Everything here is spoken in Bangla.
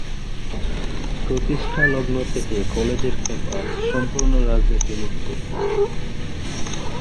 প্রতিষ্ঠালগ্ন থেকে কলেজের ক্যাম্পাস সম্পূর্ণ রাজনীতি মুক্ত।